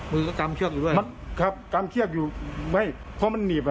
มือก็กำเชือกอยู่ด้วยมันครับกำเชือกอยู่ไม่เพราะมันหนีบอ่ะ